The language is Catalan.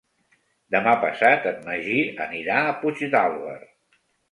Demà passat en Magí anirà a Puigdàlber.